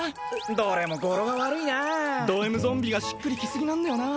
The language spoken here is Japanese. ・どれも語呂が悪いなあ・ドＭゾンビがしっくりきすぎなんだよな